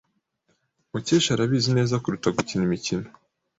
Mukesha arabizi neza kuruta gukina imikino.